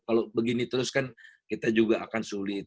kalau begini terus kan kita juga akan sulit